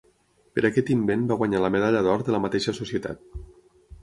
Per aquest invent va guanyar la medalla d'or de la mateixa societat.